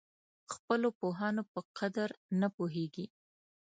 خپلو پوهانو په قدر نه پوهېږي.